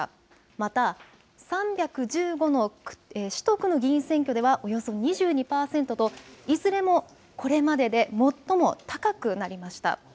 また３１５の市と区の議員選挙ではおよそ２２％といずれもこれまでで最も高くなりました。